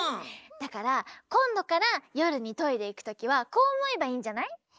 だからこんどからよるにトイレいくときはこうおもえばいいんじゃない？